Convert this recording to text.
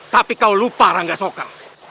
tapi kau lupa rangga soka